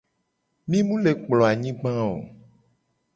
Mi mu le kplo anyigba oo.